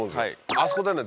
あそこでね